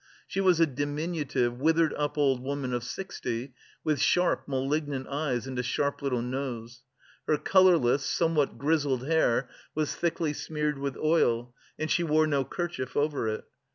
She was a diminutive, withered up old woman of sixty, with sharp malignant eyes and a sharp little nose. Her colourless, somewhat grizzled hair was thickly smeared with oil, and she wore no kerchief over it.